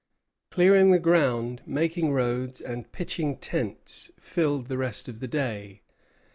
Clearing the ground, making roads, and pitching tents filled the rest of the day.